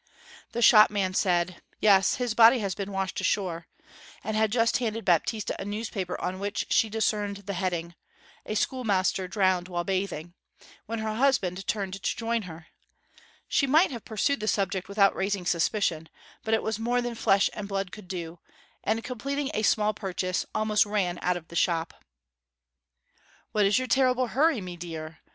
The shopman said, 'Yes, his body has been washed ashore,' and had just handed Baptista a newspaper on which she discerned the heading, 'A Schoolmaster drowned while bathing', when her husband turned to join her. She might have pursued the subject without raising suspicion; but it was more than flesh and blood could do, and completing a small purchase almost ran out of the shop. 'What is your terrible hurry, mee deer?'